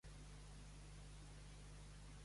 Hill va escriure l'epíleg de la seva edició.